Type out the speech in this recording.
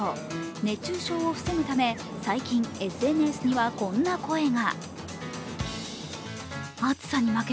熱中症を防ぐため最近ＳＮＳにはこんな声が。